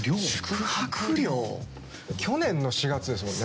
去年の４月ですもんね。